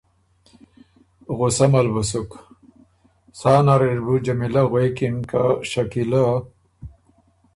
غصه مه ل بُو سُک۔ سا نر اِر بُو جمیلۀ غوېکِن که شکیلۀ